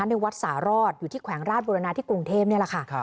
ในวัดสารอดอยู่ที่แขวงราชบุรณาที่กรุงเทพนี่แหละค่ะ